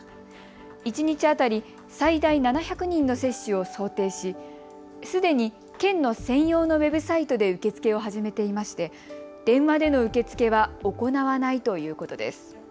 一日当たり最大７００人の接種を想定し、すでに県の専用のウェブサイトで受け付けを始めていまして電話での受け付けは行わないということです。